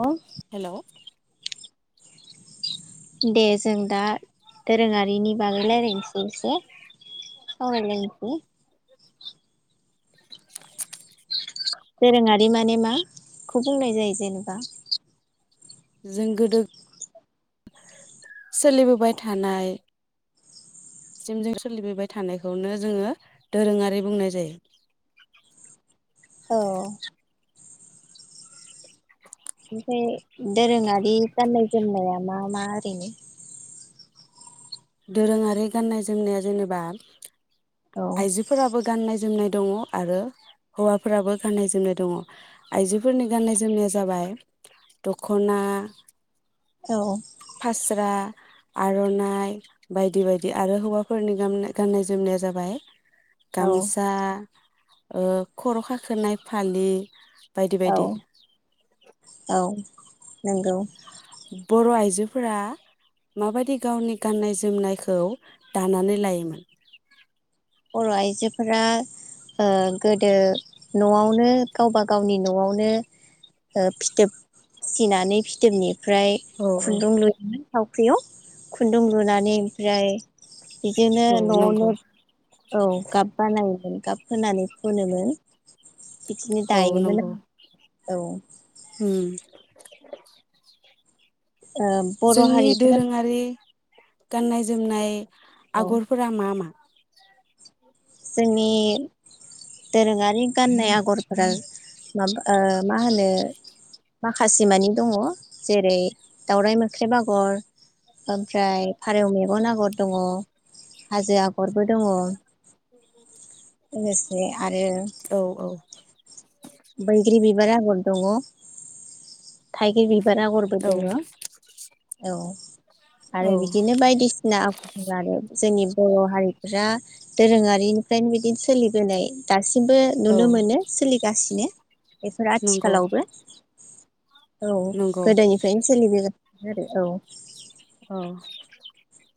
अ hello दे जों दा दोरोङारिनि बागै लायरायनसै एसे सावराय लायनसै [inaudible] दोरोङारि माने मा खौ बुंनाय जायो जेनेबा जों गोदो सोलिबोबाय थानाय सिम जों सोलिबोबाय थानायखौनो जोङो दोरोङारि बुंनाय जायो औ ओमफाय दोरोङारि गाननाय जोमनाया मा मा ओरैनो दोरोङारि गाननाय जोमनाया जेनेबा औ आइजोफोराबो गाननाय जोमनाय दङ आरो हौवाफोराबो गाननाय जोमनाय दङ आइजोफोरनि गाननाय जोमनाया जाबाय दख'ना औ फास्रा आर'नाइ बायदि बायदि आरो हौवाफोरनि गामनाय गाननाय जोमनाया जाबाय औ गामसा ओ खर' हाखोनाय फालि बायदि औ बायदि औ नोंगौ बर' आइजोफोरा माबायदि गावनि गाननाय जोमनायखौ दानानै लायोमोन बर' आइजोफोरा ओ गोदो न'आवनो गावबा गावनि न'आवनो ओ फिथोब सिनानै फिथोबनि फ्राय औ औ खुन्दुं लु थावख्रियाव खुन्दुं लुनानै ओमफ्राय बिदिनो औ नंगौ न'आवनो औ गाब बानाय [unintelligible] गाब होनानै फुनोमोन बिदिनो औ दायो मोन नंगौ [unintelligible] औ उम ओ बर' जोंनि हारिफोरा दोरोङारि गाननाय जोमनाय औ आगरफोरा मा मा जोंनि दोरोङारि गाननाय आगरफोरा माबा ओ मा होनो माखासे मानि दङ जेरै दावराइ मोख्रेब आगर ओमफ्राय फारौ मेगन आगर दङ हाजो आग गरबो दङ लोगोसे आरो औ औ बैग्रि बि बार आगर दङ थाइगिर बिबार आगरबो औ दोङो औ आरो औ बिदिनो बायदिसिना आखरफोर आरो जोंनि बर' हारिफोरा दोरोङा बेनिफ्रायनो बिदिनो सोलिबोनाय दासि सिमबो औ नुनो मोनो सोलिगासिनो बेफोर नंगौ आथिखालावबो औ नंगौ गोदोनिफ्रायनो सोलिबोगोन औ औ [inaudible]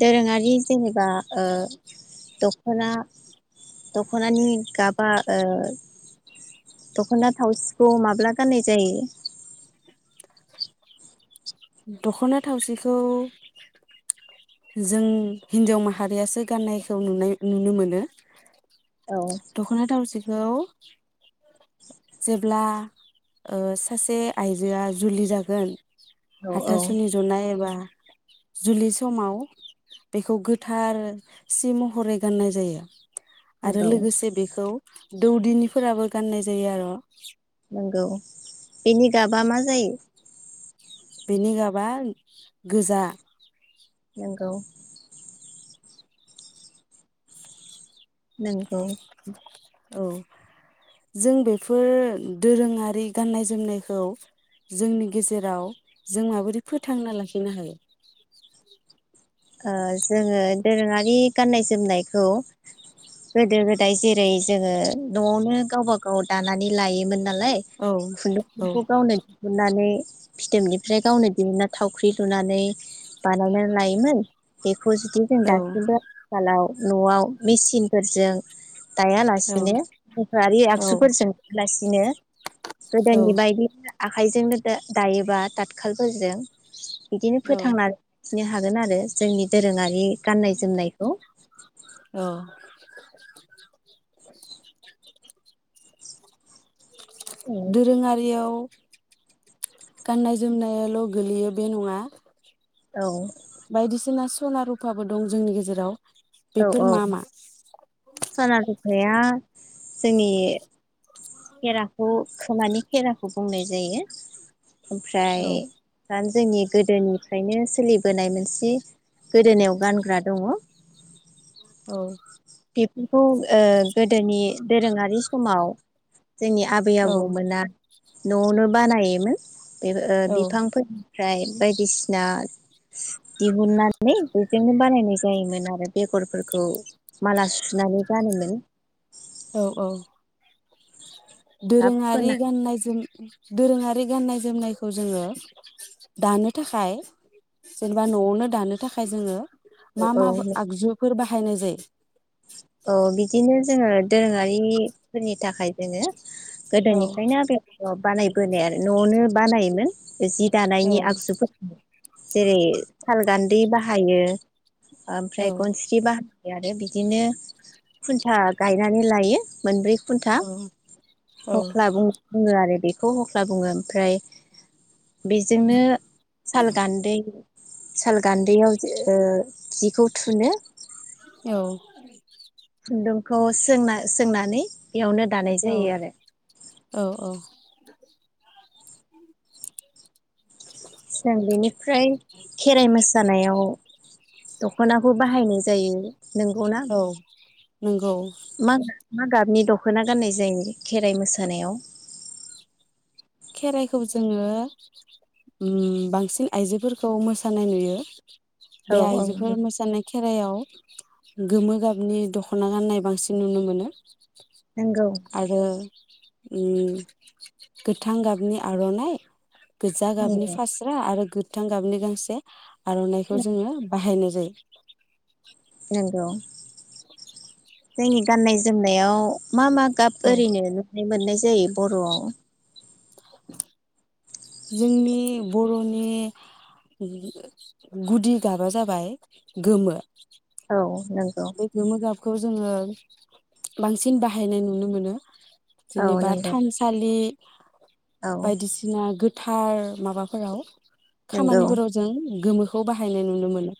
दोरोङारि जेनेबा ओ दख'ना दख'नानि गाबा ओ दख'ना थावसिखौ माब्ला गाननाय जायो दख'ना थावसिखौ जों हिन्जाव माहारियासो गाननायखौ नुनाय नुनो मोनो औ दखना थावसिखौ जेब्ला ओ सासे आइजोआ जुलि जागोन औ औ हाथासुनि जनाय एबा जुलि समाव बेखौ गोथार सि महरै गाननाय जायो आरो नंगौ लोगोसे बेखौ दौदिनिफोराबो गाननाय जायो आरो' नोंगौ बेनि गाबा मा जायो बेनि गाबा गोजा नोंगौ नोंगौ औ जों बेफोर दोरोङारि गाननाय जोमनायखौ जोंनि गेजेराव जों माबोरै फोथांना लाखिनो हायो ओ जोङो दोरोङारि गाननाय जोमनायखौ गोदो गोदाय जेरै जोङो न'आवनो गावबा गाव दानानै लायोमोन नालाय औ औ खुन्दुंफोरखौ गावनो दिहुननानै फिथोबनिफ्राय गावनो दिहुना थावख्रि लुनानै बानायनानै लायोमोन [unintelligible] पजिटिभ जों औ दासिमबो आथिखालाव न'आव मेचिनफोरजों औ दायालासिनोफोरआारि औ आगजुफोरजों दायालासिनो औ गोदोनि बायदिनो आखाइजोंनो दायोबा थाथखालफोरजों बिदिनो औ फोथांनानै नो हागोन आरो जोंनि दोरोङारि गाननाय जोमनायखौ औ [inaudible] औ दोरोङारियाव गाननाय जोमनायाल' गोलैयो बे नङा औ बायदिसिनास सना रुफाबो दं जोंनि गेजेराव औ औ बेफोर मा मा सना रुफाया जोंनि खेराखौ खोमानि खेरा खौ बुंनाय जायो ओमफ्राय औ दा जोंनि गोदोनिफ्रायनो सोलि बोनाय मोनसे गोदोनायाव गानग्रा दङ औ बेफोरखौ ओ गोदोनि दोरोङारि समाव जोंनि आबै औ आबौमोना न'आवनो बानायोमोन बे ओ औ बिफांफोरनि फ्राय बायदिसिना दिहुननानै बेजोंनो बानायनाय जायोमोन आरो बेगरफोरखौ माला सुनानै गानो मोन औ औ बा दोरोङारि फोनानै गाननायजों दोरोङारि गाननाय जोमनायखौ जोङो दानो थाखाय जेनेबा न'आवनो दानो थाखाय जोङो मा मा औ आगजुफोर बा हायनाय जायो औ बिदिनो जोङो दोरोङारिफोरनि थाखाय जोङो औ गोदोनिफ्रायनो बेखौ बानाय बोनाय आरो न'आवनो बानायोमोन जि औ दानायनि आगजुफोर जेरै सालगानदै बा हायो औ ओमफ्राय गनस्रि बाहायो आरो बि दिनो खुनथा गायनानै लायो मोनब्रै खुनथा औ औ हख्ला बुं बुङो आरो बे खौ हख्ला बुङो ओमफ्राय बेजोंनो सालगानदै सालगानदैयाव ओ जिखौ थुनो औ खुन्दुंखौ सोंना सोंनानै बेयावनो दानाय औ जायो आरो औ औ जों बेनिफ्राय खेराइ मोसानायाव दख'नाखौ बाहायनाय जायो नंगौ ना औ नंगौ मा मा गाबनि दख'ना गाननाय जायो खेराइ मोसानायाव खेराइखौ जोङो उम बांसिन आइजोफोरखौ मोसानाय नुयो औ बे औ आइजोफोर मोसानाय खेराइायाव गोमो गाबनि दख'ना गाननाय बांसिन नुनो मोनो नंगौ आरो उम गोथां गाबनि आर'नाइ गोजा गाबनि नंगौ फास्रा आरो गोथां गाबनि गांसे आर'नाइखौ जोङो बाहायनो [unintelligible] नोंगौ [inaudible] जोंनि गाननाय जोमनायाव मा मा गाब ओरैनो नुनाय मोननाय जायो बर'आव [inaudible] जोंनि बर'नि गुदि गाबा जाबाय गोमो औ नंगौ बे गोमो गाबखौ जोङो बांसिन बाहायनाय नुनो मोनो औ जेनेबा नंगौ थानसालि औ बायदिसिना गो थार माबाफोराव नंगौ खामानिफोराव जों गोमोखौ बाहायनाय नुनो मोनो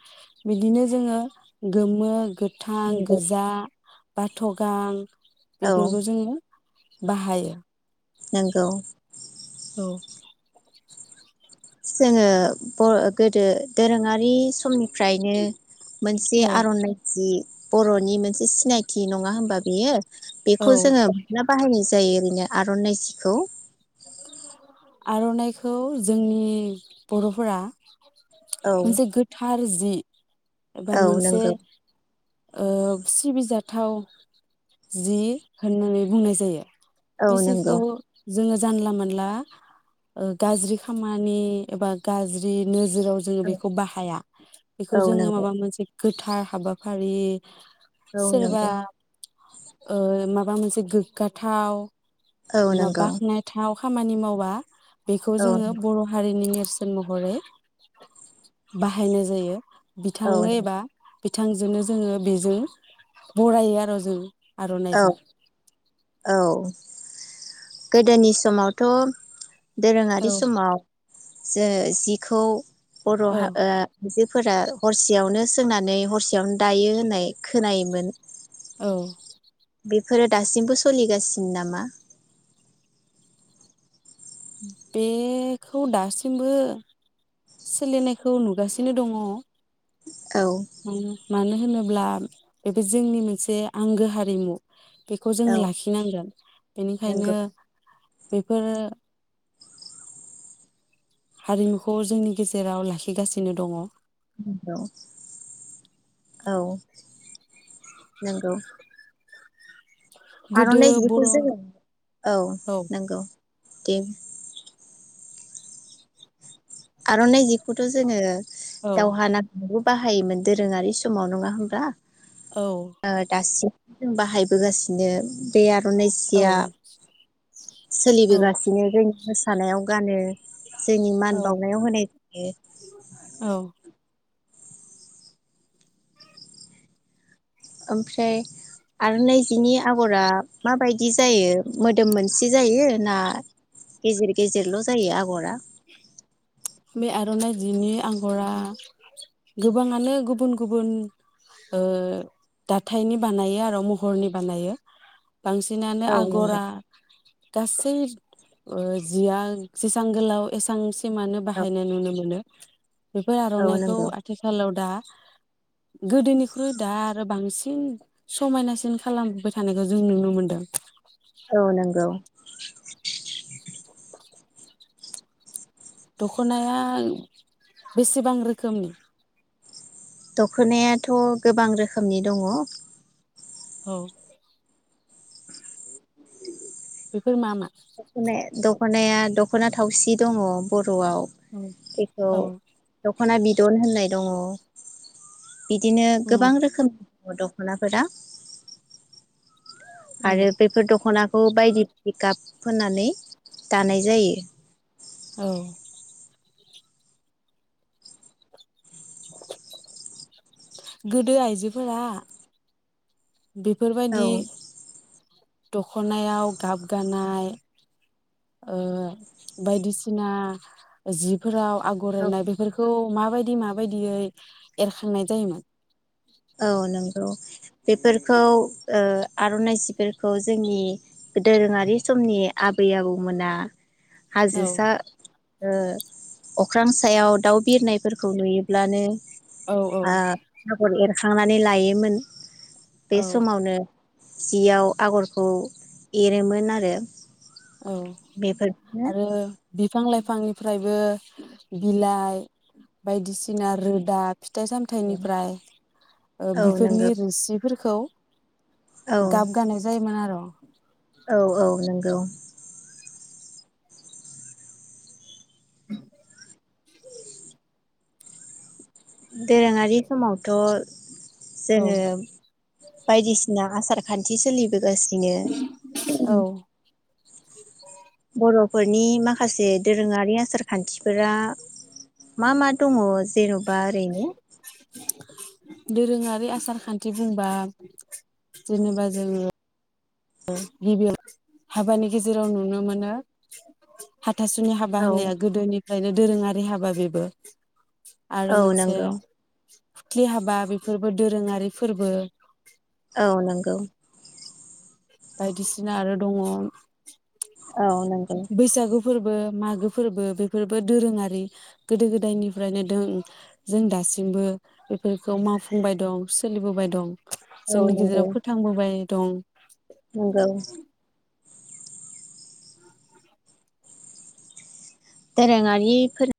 बिदिनो जोङो गोमो गोथां नंगौ गोजा बाथ' गां औ बेफोरखौ जोङो बाहाय नोंगौ औ जोङो बर गोदो दोरोङारि समनिफ्रायनो मोनसे औ आर'नाइ जि बर'नि मोनसे सिनायथि नङा होनबा बेयो बेखौ औ जोङो [unintelligible] बाहायनोसै जायो ओरैनो आर'नाइ जिखौ आर'नाइखौ जोंनि बर'फोरा औ मोनसे गोथार जि एबा औ मोनसे नंगौ ओ सिबिजाथ थाव जि होननानै बुंनाय जायो औ बिसि नंगौ खौ जोङो जानला मोनला ओ गाज्रि खामानि एबा गाज्रि नो जोराव जोङो बेखौ बाहाया औ बेखौ जोङो नंगौ माबा मोनसे गोथार हाबाफारि औ सोरबा नंगौ ओ मा माबा मोनसे गोग्गाथाव औ नंगौ [unintelligible] खामानि मावा बेखौ औ जोङो बर' हारिनि सोन महरै बाहायनाय जायो औ बिथांनो एबा बिथांजोंनो जोङो बेजों बरायो आरो जों औ आर'नाइजों। औ गोदोनि समावथ' औ दोरोङारि समाव जो जिखौ बर' हा ओ फोरा हरसेयावनो सोंनानै हरसेयावनो दायो होननाय खोनायोमोन। औ। बेफोरो दासिमबो सोलिगासिनो नामा? बेखौ दासिमबो सोलिनायखौ नुगासिनो दङ। औ उम मानो होनोब्ला बेबो जोंनि मोनसे आंगो हारिमु बेखौ औ जोङो लाखिनांगोन बेनिखायनो नंगौ बेफोरो हारिमुखौ जोंनि गेजेराव लाखिगासिनो दङ। औ। नोंगौ। गोदो आर'नाइ बेखौ बर' जो औ औ नंगौ। [unintelligible] आर'नाइ जिखौथ' जोङो। दावहा नां बाहायोमोन दोरोङारि समाव नङा होनब्ला? औ ओ दासि जों बाहायबोगासिनो बे आरो आर'नाइ औ सिया औ सोलिबोगासिनो जोंनि थानायाव गानो जोंनि औ। औ [inaudible] ओमफ्राय आरो नैजिनि आगरा माबायदि जायो मोदोम मोनसे बिदि जायो ना गेजेर गेजेरल' जायो आगरा। बे आर'नाइ जिनि आगरा गोबाङानो गुबुन गुबुन ओ दाथाइनि बानायो आरो महरनि बानायो। बांसिनानो औ नंगौ आगरा गासै जिया जेसां गोलाव एसां सिमान। औ बाहायनाय नुनो मोनो बेफोर औ आर'नाइखौ नंगौ आथिखालाव दा गोदोनिख्रुइ दा आरो बांसिन समायनासिन खालामबोबाय थानायखौ जों नुनो मोनदों। औ नोंगौ। [inaudible] दख'नाया बेसेबां रोखोमनि दख'नायाथ' गोबां रोखोमनि दङ। औ बेफोर मा मा [unintelligible] दख'नाया दख'ना थावसि दङ बर औ बेखौ औ दख'ना बिदन होननाय। दङ बिदिनो उम गोबां रोखोमनि दख'नाफोरा आरो बेफोर दख'ना। खौ बायदि बायदि गाब फोननानै दानाय जायो। औ गोदो आइजोफोरा। औ बेफोरबायदि दख'नायाव गाब गानाय ओ बायदिसिना जिफोराव आगर औ एरनाय बेफोरखौ माबायदि माबायदियै एरखांनाय जायोमोन। औ नंगौ। बेफोरखौ ओ आर'नाइ जिफोरखौ जोंनि दोरोङारि समनि आबै आबौमोना हाजो औ सा ओ अख्रां सायाव दाउ बिरनायफोरखौ नुयो। लानो औ आ आगर एर खांनानै लायोमोन। बे समावनो जियाव आगरखौ एरोमोन आरो। औ बेफोरखौनो आरो बिफां लाइ फांनिफ्रायबो बिलाइ बायदिसिना रोदा फिथाइ सामथाइनिफ्राय ओ औ नंगौ बिफोरनि रोसि फोरखौ औ गाब गानाय जायोमोन आरो औ औ नं गौ [unintelligible] दोरोङारि समावथ' औ जोङो बायदिसिना आसार खानथि सोलिबो गासिनो औ [unintelligible] बर'फोरनि माखासे दोरोङारि आसार खानथिफोरा मा मा दङ जेन'बा ओरैनो दोरोङारि आसार खान्थि बुंबा जेनेबा जोङो गिबियाव हाबानि गेजेराव नुनो मोनो हाथासुनि हाबा औ होनाया गोदोनि ओखायनो दोरोङारि हाबा बेबो आरो औ मोनसे नंगौ फुथ्लि हाबा बेफोरबो दोरोङारि फोरबो औ नंगौ बायदिसिना आरो दङ औ नंगौ बैसागु फोरबो मागो फोरबो बेफोरबो दोरोङारि गोदो गोदायनिफ्रायनो द जों दासिमबो बेफोरखौ मावफुंबाय दं सोलिबोबाय दं औ जोंनि नंगौ गेजेराव फोथांबोबाय दं नंगौ दोरोङारिफोर